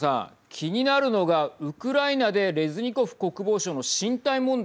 気になるのがウクライナでレズニコフ国防相の進退問題